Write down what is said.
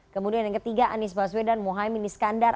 kemudian yang ketiga anies baswedan dan muhaimin iskandar